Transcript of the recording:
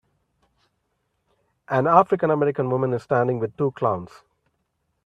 An AfricanAmerican woman is standing with two clowns.